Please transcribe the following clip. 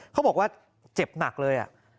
เขาบอกว่าเจ็บหนักเลย